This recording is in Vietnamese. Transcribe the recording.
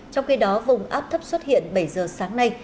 trong khi đó vùng áp thấp xuất hiện bảy giờ sáng nay